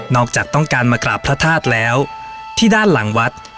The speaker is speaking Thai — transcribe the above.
จากต้องการมากราบพระธาตุแล้วที่ด้านหลังวัด